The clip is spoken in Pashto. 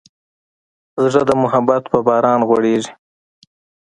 زړه د محبت په باران غوړېږي.